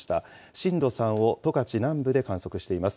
震度３を十勝南部で観測しています。